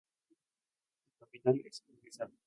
Su capital es Odesa.